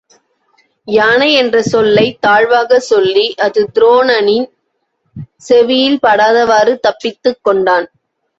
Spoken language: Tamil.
யானை என்ற சொல்லைத் தாழ்வாகச் சொல்லி அது துரோணனின் செவியில் படாதவாறு தப்பித்துக் கொண்டான்.